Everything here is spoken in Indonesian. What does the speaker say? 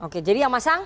oke jadi yang masang